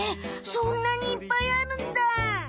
そんなにいっぱいあるんだ。